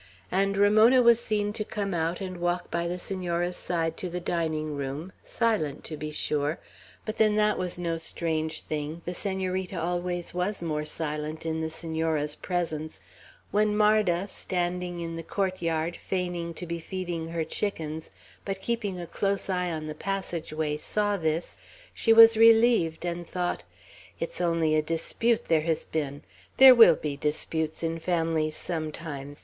and Ramona was seen to come out and walk by the Senora's side to the dining room; silent, to be sure, but then that was no strange thing, the Senorita always was more silent in the Senora's presence, when Marda, standing in the court yard, feigning to be feeding her chickens, but keeping a close eye on the passage ways, saw this, she was relieved, and thought: "It's only a dispute there has been. There will be disputes in families sometimes.